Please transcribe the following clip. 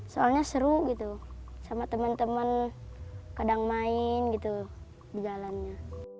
soalnya seru gitu sama teman teman kadang main gitu di jalannya